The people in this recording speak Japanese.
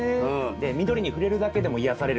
で緑にふれるだけでも癒やされるしね。